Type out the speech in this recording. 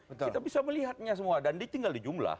kita bisa melihatnya semua dan ditinggal di jumlah